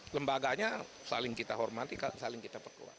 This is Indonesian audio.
lembaganya saling kita hormati saling kita perkuat